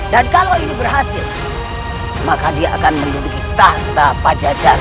dan kalau ini berhasil maka dia akan meniliki tahta pancacaran